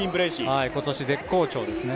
今年絶好調ですね。